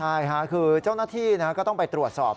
ใช่ค่ะคือเจ้าหน้าที่ก็ต้องไปตรวจสอบ